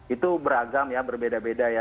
itu beragam ya berbeda beda ya